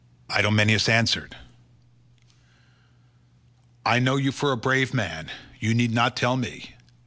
Idomeneus answered, "I know you for a brave man: you need not tell me.